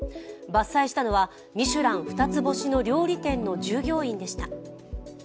伐採したのはミシュラン二つ星の料理店の従業員でした。